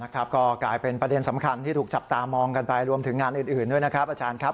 ก็กลายเป็นประเด็นสำคัญที่ถูกจับตามองกันไปรวมถึงงานอื่นด้วยนะครับอาจารย์ครับ